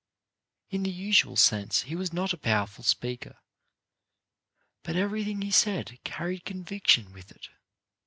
In the usual sense he was not a powerful speaker; but everything he said carried conviction with it.